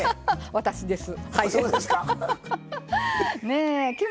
私です。